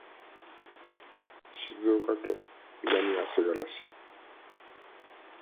静岡県南足柄市